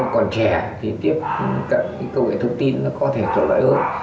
còn trẻ thì tiếp cận cái công nghệ thông tin nó có thể thuận lợi hơn